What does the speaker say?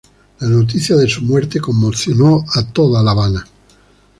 La noticia de su muerte conmocionó a toda La Habana.